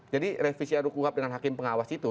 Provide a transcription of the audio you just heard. jadi revisi ruu kuhap dengan hakim pengawas itu